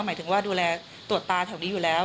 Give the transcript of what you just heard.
หมายถึงว่าดูแลตรวจตาแถวนี้อยู่แล้ว